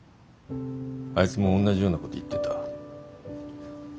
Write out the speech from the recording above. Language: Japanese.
あいつも同じようなこと言ってた。